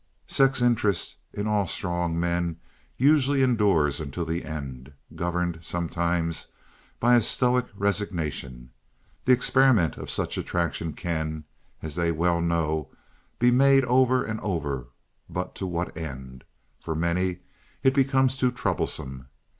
Sex interest in all strong men usually endures unto the end, governed sometimes by a stoic resignation. The experiment of such attraction can, as they well know, be made over and over, but to what end? For many it becomes too troublesome.